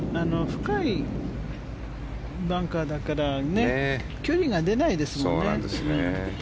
深いバンカーだから距離が出ないですよね。